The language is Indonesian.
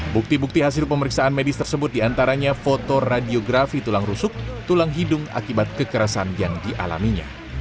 bukti bukti hasil pemeriksaan medis tersebut diantaranya foto radiografi tulang rusuk tulang hidung akibat kekerasan yang dialaminya